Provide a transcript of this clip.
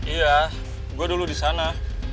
iya gue dulu di sana